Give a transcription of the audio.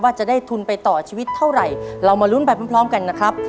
ว่าจะได้ทุนไปต่อชีวิตเท่าไหร่เรามาลุ้นไปพร้อมกันนะครับ